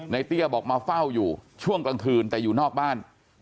เตี้ยบอกมาเฝ้าอยู่ช่วงกลางคืนแต่อยู่นอกบ้าน